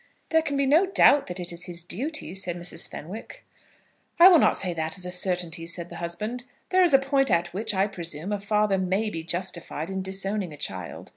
"There can be no doubt that it is his duty," said Mrs. Fenwick. "I will not say that as a certainty," said the husband. "There is a point at which, I presume, a father may be justified in disowning a child.